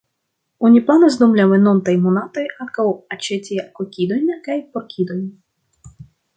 Oni planas dum la venontaj monatoj ankaŭ aĉeti kokidojn kaj porkidojn.